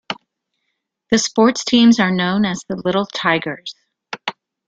The sports teams are known as the 'Little Tigers'.